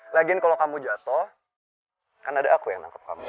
lagiin kalau kamu jatuh kan ada aku yang nangkep kamu